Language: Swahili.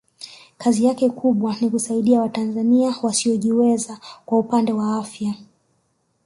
kazi yake kubwa ni kusaidia watanzania wasiojiweza kwa upande wa afya